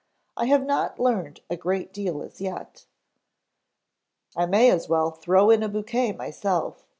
I have not learned a great deal as yet " "I may as well throw in a bouquet myself.